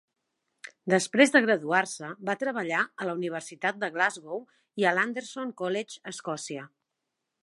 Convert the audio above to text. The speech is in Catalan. Després de graduar-se, va treballar a la Universitat de Glasgow i a l'Anderson College a Escòcia.